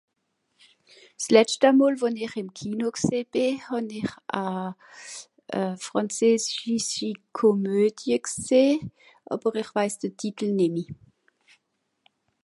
S'letschta mol wo-n-ìch ìm Kino gsìì bì hàn-ìch a...euh... frànzesischi Komödie gseh, àber ìch weis de Titel nìmmi.